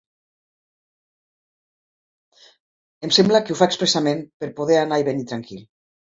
Em sembla que ho fa expressament per poder anar i venir tranquil.